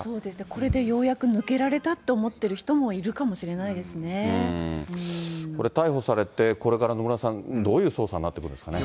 これでようやく抜けられたって思っている人もいるかもしれないでこれ、逮捕されてこれから野村さん、どういう捜査になってくるんですかね。